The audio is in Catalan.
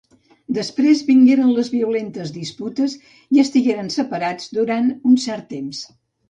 Després, vingueren les violentes disputes i estigueren separats durant un cert temps.